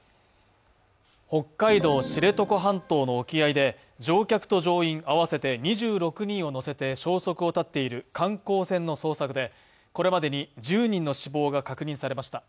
北海道知床半島の沖合で、乗客と乗員合わせて２６人を乗せて消息を絶っている観光船の捜索でこれまでに１０人の死亡が確認されました。